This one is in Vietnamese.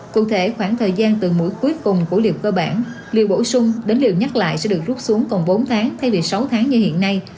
cụ thể khoảng thời gian từ mũi cuối cùng của liệu cơ bản liệu bổ sung đến liệu nhắc lại sẽ được rút xuống còn bốn tháng thay vì sáu tháng như hiện nay